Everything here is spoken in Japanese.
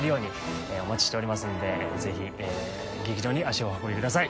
お待ちしておりますので爾劇場に足をお運びください。